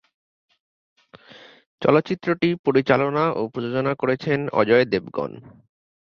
চলচ্চিত্রটি পরিচালনা ও প্রযোজনা করেছেন অজয় দেবগন।